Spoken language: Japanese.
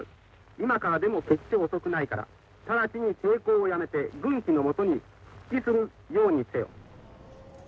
今からでも決して遅くないからただちに抵抗をやめて軍旗のもとに復帰するようにせよ」。